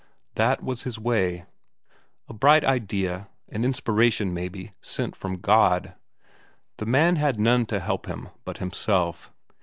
That was his way. A bright idea; an inspiration, maybe, sent from God. The man had none to help him but himself.